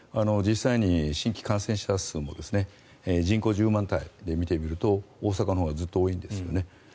実際に新規感染者数も人口１０万人単位で見てみると大阪のほうがずっと多いんですよね。